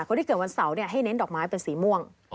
คนที่เกิดวันเสาร์ให้เน้นดอกไม้เป็นสีม่วง